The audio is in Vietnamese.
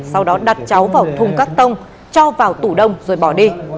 sau đó đặt cháu vào thùng cắt tông cho vào tủ đông rồi bỏ đi